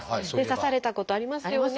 刺されたことありますよね。